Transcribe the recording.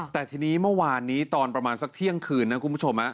แต่ทีนี้เมื่อวานนี้ตอนประมาณสักเที่ยงคืนนะคุณผู้ชม